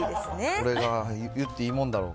俺が言っていいもんだろうか。